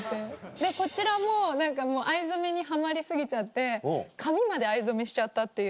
でこちらも藍染めにハマり過ぎちゃって髪まで藍染めしちゃったっていう。